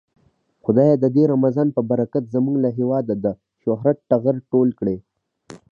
خدايه د دې رمضان په برکت زمونږ له هيواده د شهرت ټغر ټول کړې.